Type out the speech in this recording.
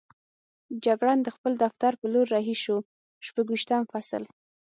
جګړن د خپل دفتر په لور رهي شو، شپږویشتم فصل.